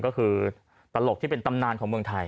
ก็คือตลกที่เป็นตำนานของเมืองไทย